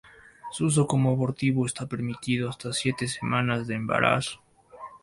Su uso como abortivo está permitido hasta siete semanas de embarazo.